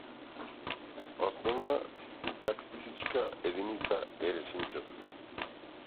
Основна синтаксичка единица е реченицата.